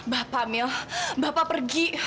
bapak mil bapak pergi